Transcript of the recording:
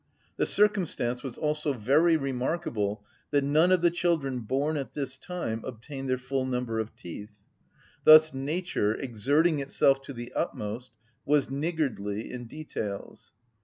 The circumstance was also very remarkable that none of the children born at this time obtained their full number of teeth; thus nature, exerting itself to the utmost, was niggardly in details.